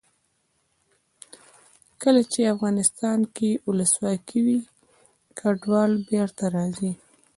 کله چې افغانستان کې ولسواکي وي کډوال بېرته راځي.